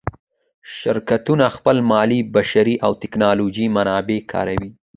شرکتونه خپل مالي، بشري او تکنالوجیکي منابع کاروي.